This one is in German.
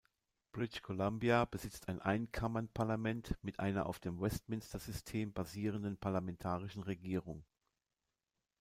British Columbia besitzt ein Einkammernparlament mit einer auf dem Westminster-System basierenden parlamentarischen Regierung.